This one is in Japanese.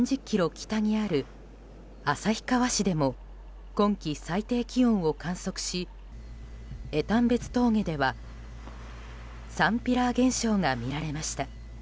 北にある旭川市でも今季最低気温を観測し江丹別峠ではサンピラー現象が見られました。